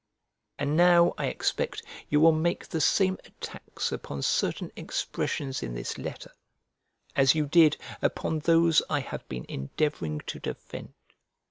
And now I expect you will make the same attacks upon certain expressions in this letter as you did upon those I have been endeavouring to defend.